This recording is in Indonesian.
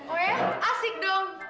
oh ya asik dong